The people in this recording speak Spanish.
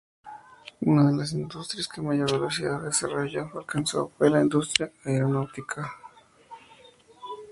Una de las industrias que mayor velocidad de desarrollo alcanzó fue la industria aeronáutica.